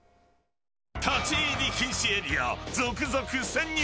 立ち入り禁止エリア続々潜入